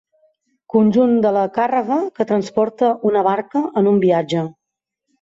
Conjunt de la càrrega que transporta una barca en un viatge.